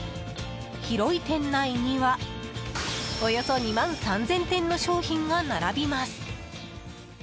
広い店内にはおよそ２万３０００点の商品が並びます。